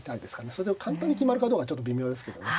それを簡単に決まるかどうかちょっと微妙ですけどね。